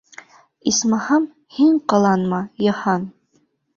Исмаһам, һин ҡыланма, Йыһан.